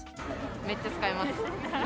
めっちゃ使います。